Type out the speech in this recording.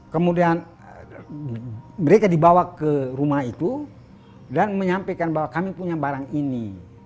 kemudian mereka dibawa ke rumah itu dan menyampaikan bahwa kami punya barang ini